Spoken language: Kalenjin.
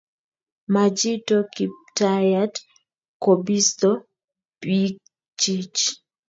ma chito kiptayat kobisto biikchich